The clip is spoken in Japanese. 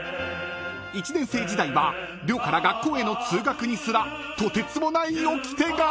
［１年生時代は寮から学校への通学にすらとてつもないおきてが］